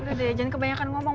udah deh jangan kebanyakan ngomong